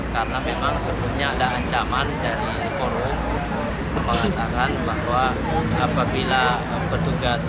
karena memang sebetulnya ada ancaman dari korup mengatakan bahwa apabila petugas